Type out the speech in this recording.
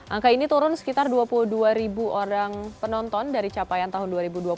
angka ini turun sekitar dua puluh dua ribu orang penonton dari capaian tahun dua ribu dua puluh